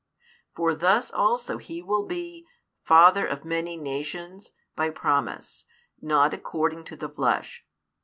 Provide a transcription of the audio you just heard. For thus also he will be father of many nations by promise, not according to the flesh.